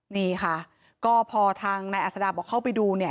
นี่ค่ะก็พอทางนายอัศดาบอกเข้าไปดูเนี่ย